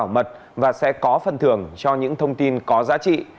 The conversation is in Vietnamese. mọi thông tin sẽ được bảo mật và sẽ có phần thưởng cho những thông tin có giá trị